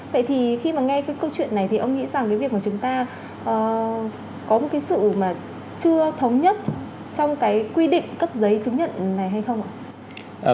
vậy thì khi mà nghe cái câu chuyện này thì ông nghĩ rằng cái việc mà chúng ta có một cái sự mà chưa thống nhất trong cái quy định cấp giấy chứng nhận này hay không ạ